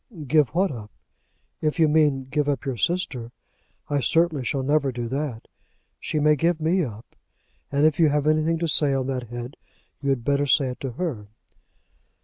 "Give what up? If you mean give up your sister, I certainly shall never do that. She may give me up, and if you have anything to say on that head, you had better say it to her."